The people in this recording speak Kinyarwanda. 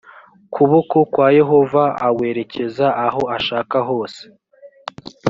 kuboko kwa yehova awerekeza aho ashaka hose